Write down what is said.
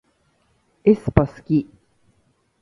aespa すき